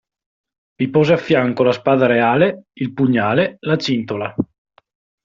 Vi pose affianco la spada reale, il pugnale, la cintola.